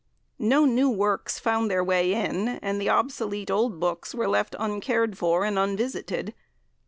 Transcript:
No new works found their way in, and the obsolete old books were left uncared for and unvisited.